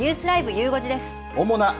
ゆう５時です。